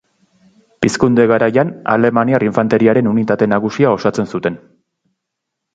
Pizkunde garaian, alemaniar infanteriaren unitate nagusia osatzen zuten.